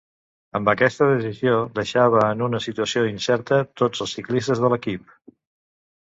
Amb aquesta decisió deixava en una situació incerta tots els ciclistes de l'equip.